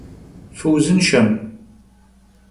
Fıuzınşşem!